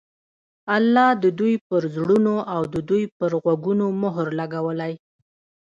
الله د دوى پر زړونو او د دوى په غوږونو مهر لګولى